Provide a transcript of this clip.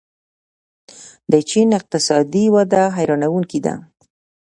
د چین اقتصادي وده حیرانوونکې ده.